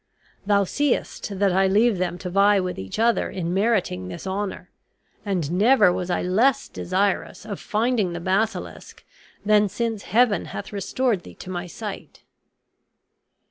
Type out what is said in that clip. Thou seest that I leave them to vie with each other in meriting this honor; and never was I less desirous of finding the basilisk than since Heaven hath restored thee to my sight."